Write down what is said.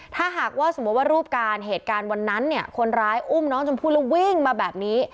ถ้าหากว่าสมมุติว่ารูปการณ์เหตุการณ์วันนั้นเนี่ยคนร้ายอุ้มน้องชมพู่แล้ววิ่งมาแบบนี้